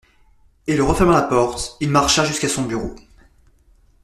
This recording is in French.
Et il referma la porte, il marcha jusqu'à son bureau.